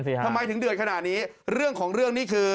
ทำไมถึงเดือดขนาดนี้เรื่องของเรื่องนี่คือ